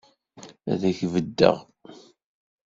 Ad k-beddeɣ.